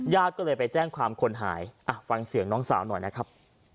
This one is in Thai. ญาติก็เลยไปแจ้งความคนหายฟังเสียงน้องสาวหน่อยนะครับ